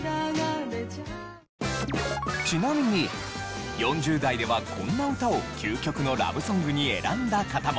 ちなみに４０代ではこんな歌を究極のラブソングに選んだ方も。